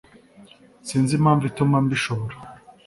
sinzi impamvu ituma mbishobora